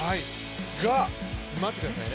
が、待ってください。